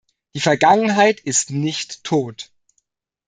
Die Vergangenheit ist nicht tot.